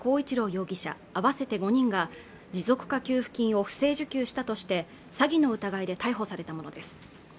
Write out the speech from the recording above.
容疑者合わせて５人が持続化給付金を不正受給したとして詐欺の疑いで逮捕されたものです